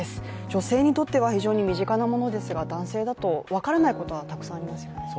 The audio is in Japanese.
女性にとっては非常に身近なものですが男性だと分からないことがたくさんありますよね。